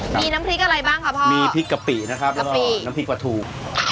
มีน้ำพริกอะไรบ้างครับพ่อมีพริกกะปินะครับน้ำพริกปะถูก